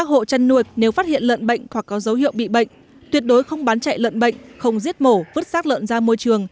do đó khi phát hiện lợn có bệnh cần báo ngay cho chính quyền và cơ quan thú y tại cơ sở